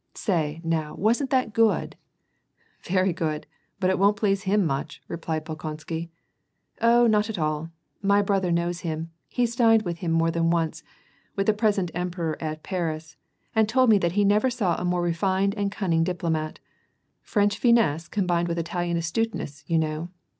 " Say, now, wasn't that good ?"^ Very good, but it won't please him much," replied Bolkon sky. " Oh not at all ! My brother knows him ; he's dined with him more than once, — with the present emperor at Paris, and told me that he never saw a more refined and cunning diplo mat! French finesse combined with Italian astuteness, you know!